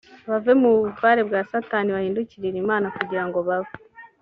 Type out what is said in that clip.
bave mu butware bwa satani n bahindukirire imana kugira ngo baba